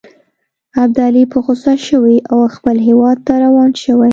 ابدالي په غوسه شوی او خپل هیواد ته روان شوی.